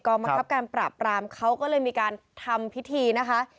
บังคับการปราบปรามเขาก็เลยมีการทำพิธีนะคะ